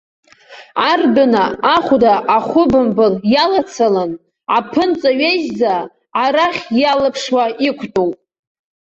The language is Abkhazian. Ардәына, ахәда ахәы бымбыл иалацалан, аԥынҵа ҩежьӡа арахь иалыԥшуа иқәтәоуп.